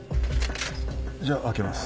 じゃあ開けます。